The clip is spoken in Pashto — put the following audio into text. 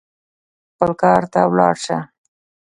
خپل کار ته ولاړ سه.